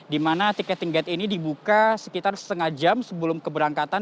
di mana tiket tiket ini dibuka sekitar setengah jam sebelum keberangkatan